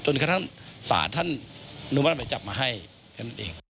จนท่านสาธารณ์ท่านอนุมัติหมายจับมาให้เพียงนั้นเอง